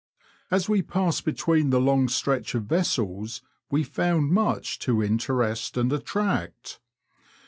As we passed between the long stretch of vessels we found much to interest and attract.